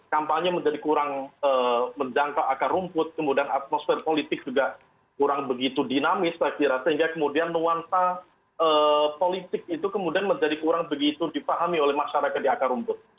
kampanye menjadi kurang menjangkau akar rumput kemudian atmosfer politik juga kurang begitu dinamis saya kira sehingga kemudian nuansa politik itu kemudian menjadi kurang begitu dipahami oleh masyarakat di akar rumput